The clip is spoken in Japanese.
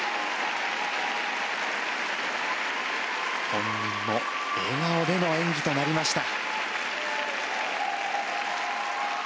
本人も笑顔での演技となりました。